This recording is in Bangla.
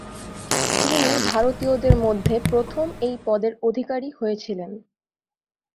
তিনি ভারতীয়দের মধ্যে প্রথম এই পদের অধিকারী হয়েছিলেন।